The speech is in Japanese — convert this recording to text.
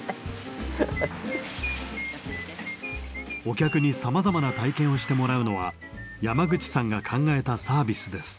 お客にさまざまな体験をしてもらうのは山口さんが考えたサービスです。